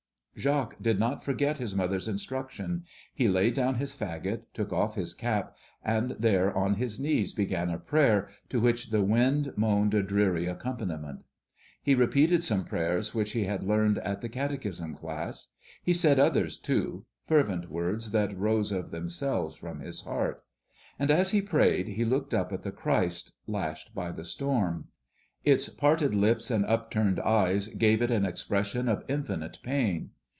Jacques did not forget his mother's instruction. He laid down his fagot, took off his cap, and there, on his knees, began a prayer, to which the wind moaned a dreary accompaniment. He repeated some prayers which he had learned at the Catechism class; he said others too, fervent words that rose of themselves from his heart. And as he prayed, he looked up at the Christ, lashed by the storm. Its parted lips and upturned eyes gave it an expression of infinite pain.